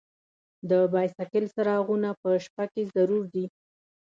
د بایسکل څراغونه په شپه کې ضرور دي.